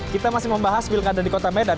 kita masih membahas pilkada di kota medan